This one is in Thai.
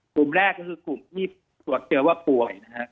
กลุ่มแรกก็คือกลุ่มที่ตรวจเจอว่าป่วยนะฮะ